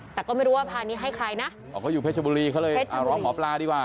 แต่ก็ไม่รู้ว่าพานี้ให้ใครนะอ๋อเขาอยู่เพชรบุรีเขาเลยอ่าร้องหมอปลาดีกว่า